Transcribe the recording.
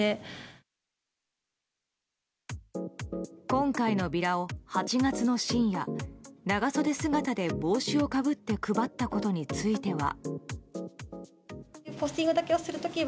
今回のビラを、８月の深夜長袖姿で帽子をかぶって配ったことについては。